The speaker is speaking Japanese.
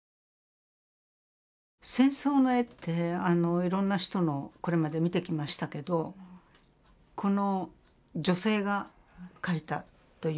戦争の絵っていろんな人のをこれまで見てきましたけどこの女性が描いたというこの絵は全然知りませんでした。